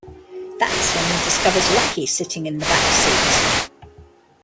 That's when he discovers Lucky sitting in the back seat.